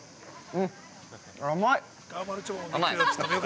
◆うん、甘い。